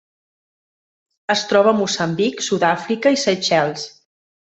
Es troba a Moçambic, Sud-àfrica i Seychelles.